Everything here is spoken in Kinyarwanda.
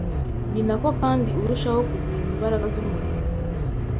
ni nako kandi arushaho kugwiza imbaraga z’umubiri